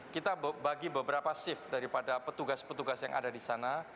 kita bagi beberapa shift daripada petugas petugas yang ada di sana